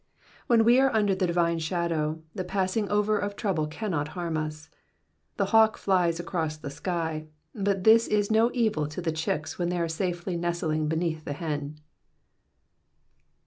When we are under the divine shadow, the passing over of trouble cannot harm us ; the hawk fiies across the sky, but this is no evil to the chicks when they are safely nestling beneath the hen.